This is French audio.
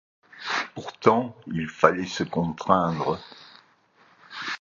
Pourtant, il fallait se contraindre.